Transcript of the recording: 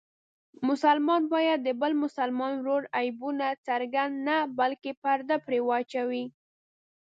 مسلمان باید د بل مسلمان ورور عیبونه څرګند نه بلکې پرده پرې واچوي.